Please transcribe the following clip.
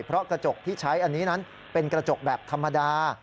เพราะกระจกที่ใช้อันนี้นั้นเป็นกระจกแบบธรรมดา